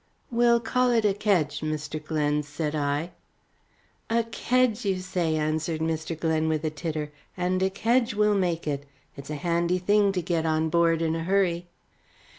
"We'll call it a kedge, Mr. Glen," said I. "A kedge, you say," answered Mr. Glen, with a titter, "and a kedge we'll make it. It's a handy thing to get on board in a hurry."